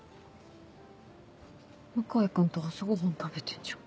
向井君と朝ごはん食べてんじゃん。